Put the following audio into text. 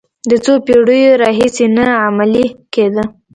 د څو پېړیو راهیسې نه عملي کېده.